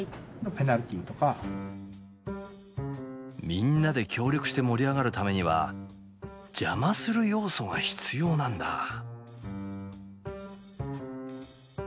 みんなで協力して盛り上がるためには邪魔する要素が必要なんだあ。